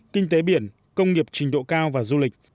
kinh tế biển công nghiệp trình độ cao và du lịch